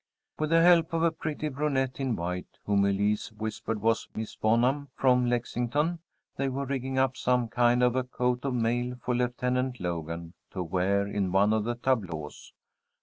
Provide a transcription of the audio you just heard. With the help of a pretty brunette in white, whom Elise whispered was Miss Bonham from Lexington, they were rigging up some kind of a coat of mail for Lieutenant Logan to wear in one of the tableaux.